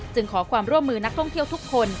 ขอความร่วมมือนักท่องเที่ยวทุกคน